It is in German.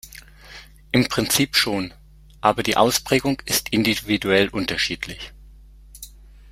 Im Prinzip schon, aber die Ausprägung ist individuell unterschiedlich.